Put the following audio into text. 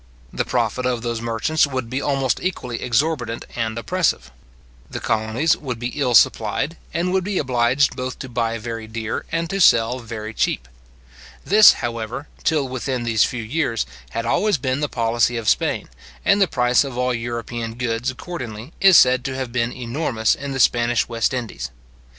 The profit of those merchants would be almost equally exorbitant and oppressive. The colonies would be ill supplied, and would be obliged both to buy very dear, and to sell very cheap. This, however, till within these few years, had always been the policy of Spain; and the price of all European goods, accordingly, is said to have been enormous in the Spanish West Indies.